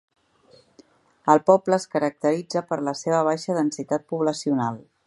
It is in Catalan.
El poble es caracteritza per la seva baixa densitat poblacional.